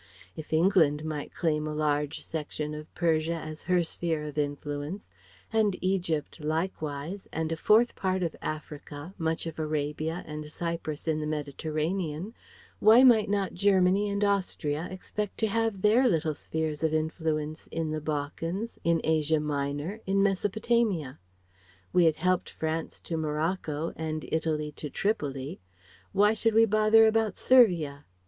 If England might claim a large section of Persia as her sphere of influence, and Egypt likewise and a fourth part of Africa, much of Arabia, and Cyprus in the Mediterranean, why might not Germany and Austria expect to have their little spheres of influence in the Balkans, in Asia Minor, in Mesopotamia? We had helped France to Morocco and Italy to Tripoli; why should we bother about Servia?